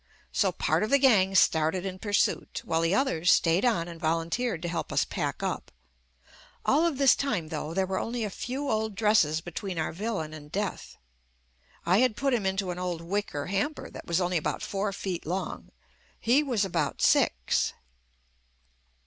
So part of the gang started in pursuit, while the others stayed on and volunteered to help us pack up. All of this time, though, there were only a few old dresses between our villain and death. I had put him into an old wicker hamper that was only about four feet long. He was about six.